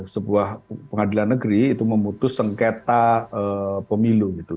sebuah pengadilan negeri itu memutus sengketa pemilu gitu